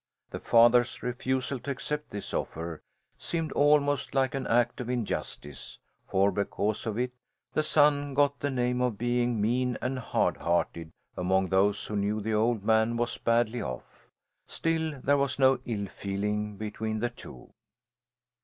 The father's refusal to accept this offer seemed almost like an act of injustice; for because of it the son got the name of being mean and hard hearted among those who knew the old man was badly off. Still, there was no ill feeling between the two.